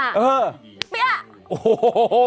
เออ